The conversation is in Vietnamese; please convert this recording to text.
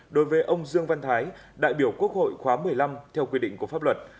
đối với ông dương văn thái đại biểu quốc hội khóa một mươi năm theo quy định của pháp luật